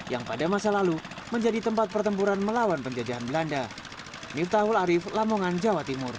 yang pada masa lalu menjadi tempat pertempuran melawan penjajahan belanda